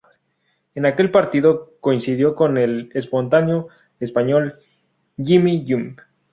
En aquel partido coincidió con el espontáneo español Jimmy Jump.